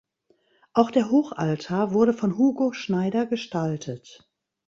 Auch der Hochaltar wurde von Hugo Schneider gestaltet.